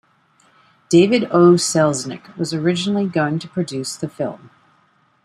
David O. Selznick was originally going to produce the film.